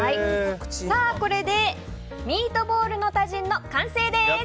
これでミートボールのタジンの完成です。